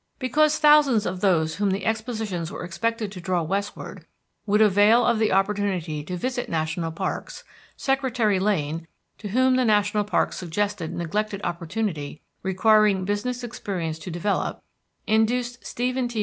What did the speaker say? Because thousands of those whom the expositions were expected to draw westward would avail of the opportunity to visit national parks, Secretary Lane, to whom the national parks suggested neglected opportunity requiring business experience to develop, induced Stephen T.